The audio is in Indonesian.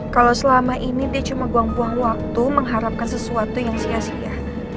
kalau selama ini dia cuma buang buang waktu mengharapkan sesuatu yang sia sia